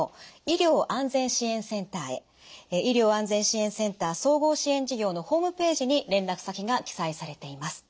医療安全支援センター総合支援事業のホームページに連絡先が記載されています。